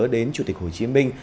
đến chủ tịch hồ chí minh